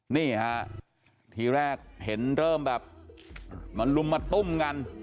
นี่ฮะทีแรกเห็นเริ่มแบบมาลุมมาตุ้มกัน